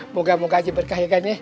moga moga aja berkah ya gan ya